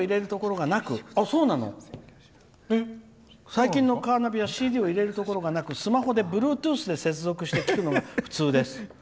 最近のカーナビはＣＤを入れるところがなくスマホでブルートゥースで接続して聴くのが普通です。